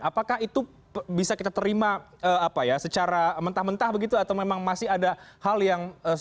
apakah itu bisa kita terima secara mentah mentah begitu atau memang masih ada hal yang